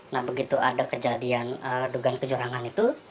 nah begitu ada kejadian dugaan kecurangan itu